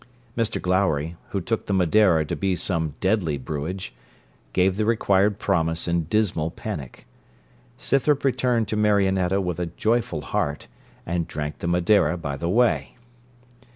Mr Glowry, who took the Madeira to be some deadly brewage, gave the required promise in dismal panic. Scythrop returned to Marionetta with a joyful heart, and drank the Madeira by the way.